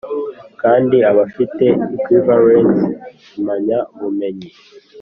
kandi adafite equivalence y impamyabumenyi